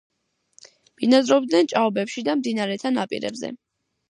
ბინადრობდნენ ჭაობებში და მდინარეთა ნაპირებზე.